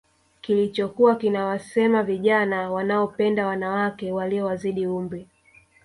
Kilichokuwa kinawasema vijana wanaopenda wanawake Walio wazidi umri